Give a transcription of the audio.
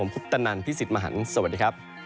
สวัสดี